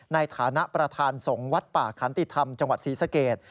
ในฐานะประธานสงฆ์วัดป่าขันติธรรมจังหวัดศรีสเกต